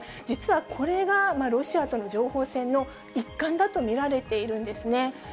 実はこれが、ロシアとの情報戦の一環だと見られているんですね。